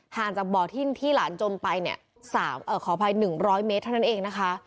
จากบ่อที่หลานจมไปเนี่ยขออภัย๑๐๐เมตรเท่านั้นเองนะคะ